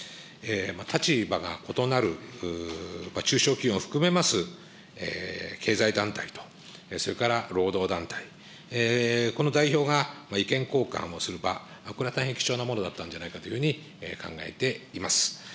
立場が異なる中小企業を含めます経済団体と、それから労働団体、この代表が意見交換をする場、これは大変貴重なものだったんじゃないかというふうに考えています。